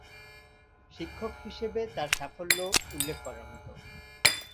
শিক্ষক হিসেবে তার সাফল্য উল্লেখ করার মতো।